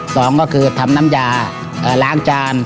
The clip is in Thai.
สองก็คือทำน้ำยาล้างจาน